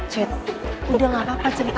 cit udah nggak dapat cerita